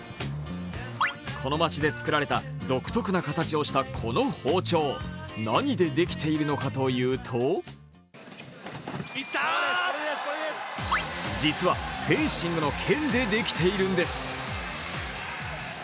この街で作られた独特な形をしたこの包丁、何でできているのかというと実はフェンシングの剣でできているんです。